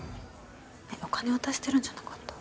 えっお金渡してるんじゃなかった？